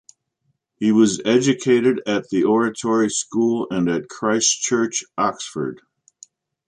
He was educated at The Oratory School and at Christ Church, Oxford.